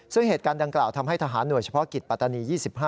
ซึ่งเหตุการณ์ดังกล่าวทำให้ทหารหน่วยเฉพาะกิจปัตตานี๒๕